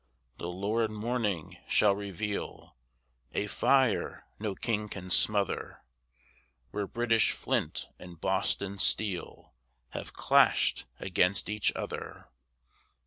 The lurid morning shall reveal A fire no king can smother Where British flint and Boston steel Have clashed against each other!